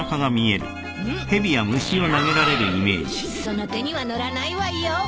その手には乗らないわよ